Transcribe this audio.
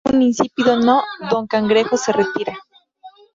Como recibe un insípido no, Don Cangrejo se retira.